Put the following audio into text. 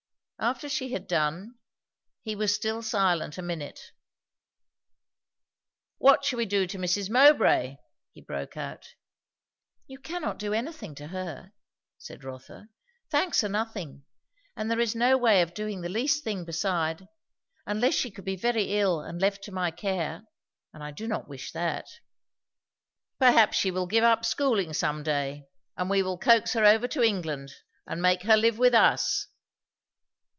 After she had done, he was still silent a minute. "What shall we do to Mrs. Mowbray!" he broke out. "You cannot do anything to her," said Rotha. "Thanks are nothing; and there is no way of doing the least thing beside; unless she could be very ill and left to my care; and I do not wish that." "Perhaps she will give up schooling some day; and we will coax her over to England and make her live with us."